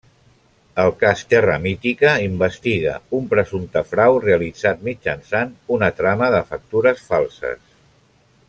El Cas Terra Mítica investiga un presumpte frau realitzat mitjançant una trama de factures falses.